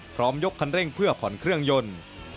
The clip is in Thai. ยกคันเร่งเพื่อผ่อนเครื่องยนต์